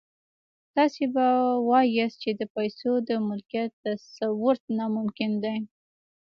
تاسې به واياست چې د پيسو د ملکيت تصور ناممکن دی.